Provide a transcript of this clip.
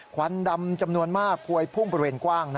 ควันดำจำนวนมากพวยพุ่งบริเวณกว้าง